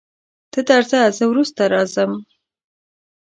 ته درځه زه وروسته راځم.